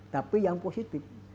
tapi yang positif